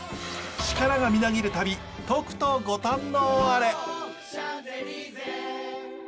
力がみなぎる旅とくとご堪能あれ！